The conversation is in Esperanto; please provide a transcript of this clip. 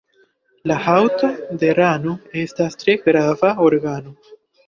La haŭto de rano estas tre grava organo.